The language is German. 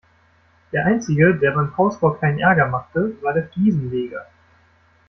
Der einzige, der beim Hausbau keinen Ärger machte, war der Fliesenleger.